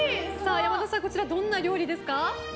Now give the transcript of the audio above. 山田さん、こちらはどんな料理ですか？